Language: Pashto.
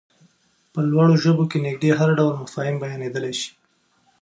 په لوړو ژبو کې نږدې هر ډول مفاهيم بيانېدلای شي.